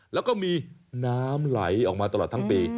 แล้วก็มีน้ำไหลออกมาตลอดทั้งปี